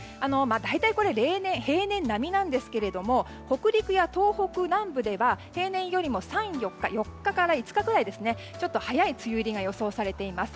大体、平年並みですが北陸や東北南部では平年よりも３日から５日くらいちょっと早い梅雨入りが予想されています。